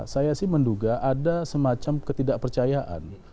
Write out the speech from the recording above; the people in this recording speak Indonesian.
saya sih menduga ada semacam ketidakpercayaan